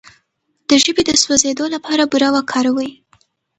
د ژبې د سوځیدو لپاره بوره وکاروئ